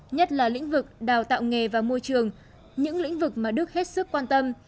nhất là lĩnh vực đào tạo nghề và môi trường những lĩnh vực mà đức hết sức quan tâm